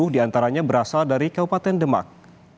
sembilan ratus lima puluh diantaranya berasal dari kabupaten demak